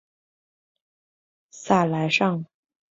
萨莱尚。